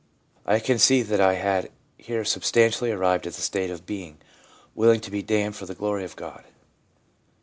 I can see that I had here sub stantially arrived at the state of being " willing to be damned for the glory of God